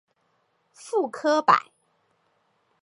傅科摆